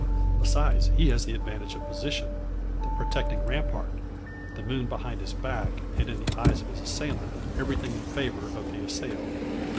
Besides, he has the advantage of position, the protecting rampart, the moon behind his back, and in the eyes of his assailant, everything in favour of the assailed.